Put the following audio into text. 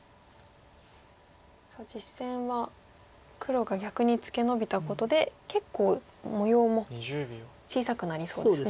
実戦は黒が逆にツケノビたことで結構模様も小さくなりそうですね。